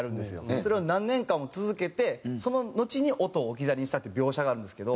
それを何年間も続けてそののちに音を置き去りにしたっていう描写があるんですけど。